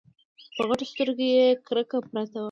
په غټو سترګو کې يې کرکه پرته وه.